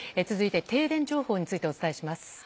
続いて、停電情報についてお伝えします。